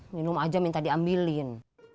minum aja minta diambilin